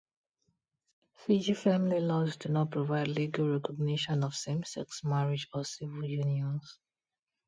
Fiji family laws do not provide legal recognition of same-sex marriage or civil unions.